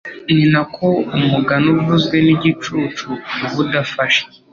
ni na ko umugani uvuzwe n’igicucu uba udafashe